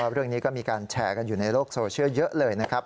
เรื่องนี้ก็มีการแชร์กันอยู่ในโลกโซเชียลเยอะเลยนะครับ